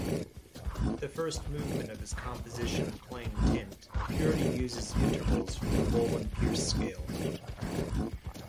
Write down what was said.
The first movement of his composition "Clang-Tint", "Purity", uses intervals from the Bohlen-Pierce scale.